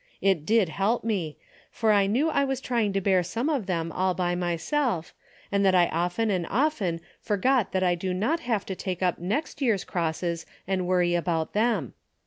It did help me, for I knew I was trying to bear some of them all by myself, and that I often and often forget that I do not have to take up next year's crosses and worry about them.